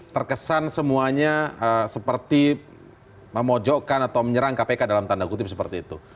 terkesan semuanya seperti memojokkan atau menyerang kpk dalam tanda kutip seperti itu